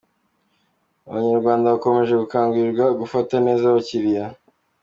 Abanyarwanda bakomeje gukangurirwa gufata neza abakiriya